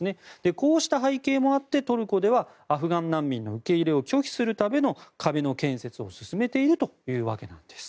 こうした背景もあってトルコではアフガン難民の受け入れを拒否するための壁の建設を進めているということです。